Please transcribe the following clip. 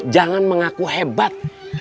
jangan mengaku hebat